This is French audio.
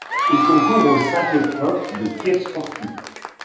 Il concourt aux cinq épreuves de tir sportif.